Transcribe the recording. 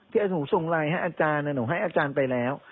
หนูส่งไลน์ให้อาจารย์หนูให้อาจารย์ไปแล้ว